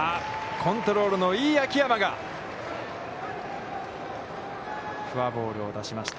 コントロールのいい秋山がフォアボールを出しました。